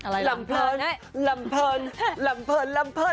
ลำเพลิน